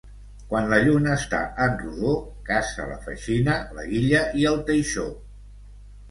Quan la lluna està en rodó, caça la feixina, la guilla i el teixó.